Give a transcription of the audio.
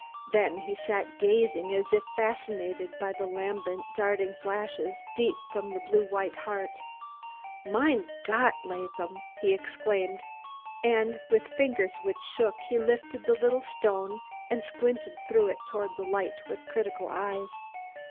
Then he sat gazing as if fascinated by the lambent, darting flashes deep from the blue white heart. "Mein Gott, Laadham!" he exclaimed, and with fingers which shook a little he lifted the stone and squinted through it toward the light, with critical eyes.